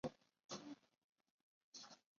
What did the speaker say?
肛门至鳃裂之距离小于头长。